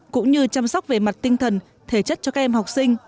cũng như chăm sóc về mặt tinh thần thể chất cho các em học sinh